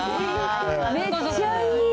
めっちゃいい。